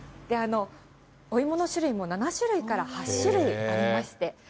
お芋の種類も７種類から８種類ありまして。